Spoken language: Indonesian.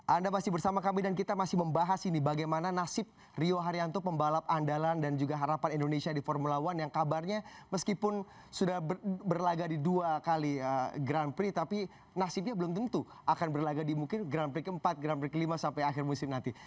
anda masih bersama kami dan kita masih membahas ini bagaimana nasib rio haryanto pembalap andalan dan juga harapan indonesia di formula one yang kabarnya meskipun sudah berlagak di dua kali grand prix tapi nasibnya belum tentu akan berlagak di mungkin grand prix empat grand prix lima sampai akhir musim nanti